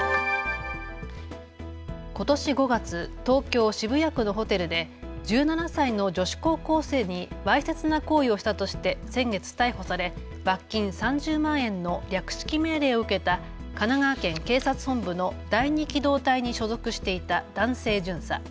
ことし５月、東京渋谷区のホテルで１７歳の女子高校生にわいせつな行為をしたとして先月、逮捕され、罰金３０万円の略式命令を受けた神奈川県警察本部の第二機動隊に所属していた男性巡査。